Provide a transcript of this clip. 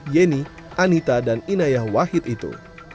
yeni anita dan inayah wahid itu